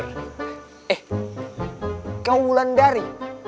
eh kau wulandari